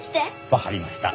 わかりました。